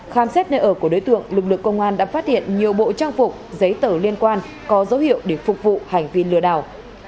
khám xét nơi ở của đối tượng lực lượng công an đã phát hiện nhiều bộ trang phục giấy tờ liên quan có dấu hiệu để phục vụ hành vi lừa đảo